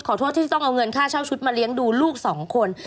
ขอโทษที่ต้องเอาเงินค่าเช่าชุดมาเลี้ยงดูลูกสองคน